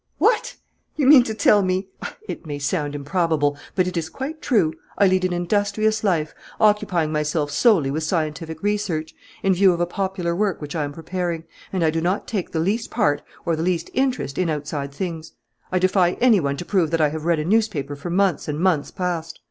"What! You mean to tell me ?" "It may sound improbable, but it is quite true. I lead an industrious life, occupying myself solely with scientific research, in view of a popular work which I am preparing, and I do not take the least part or the least interest in outside things. I defy any one to prove that I have read a newspaper for months and months past.